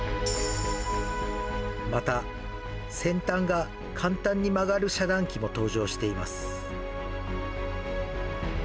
また、先端が簡単に曲がる遮断機も登場しています。